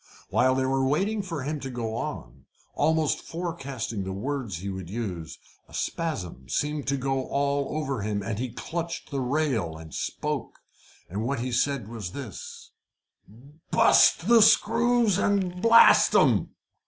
While they were waiting for him to go on, almost forecasting the words he would use, a spasm seemed to go all over him, and he clutched the rail and spoke. And what he said was this "Bust the screws and blast 'em!"